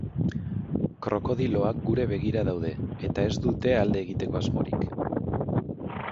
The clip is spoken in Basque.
Krokodiloak guri begira daude eta ez dute alde egiteko asmorik.